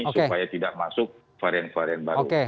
supaya tidak masuk varian varian baru